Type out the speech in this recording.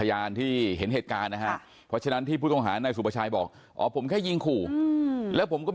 อายุ๑๐ปีนะฮะเขาบอกว่าเขาก็เห็นถูกยิงนะครับทีแรกพอเห็นถูกยิงนะครับ